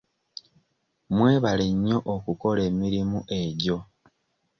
Mwebale nnyo okukola emirimu egyo.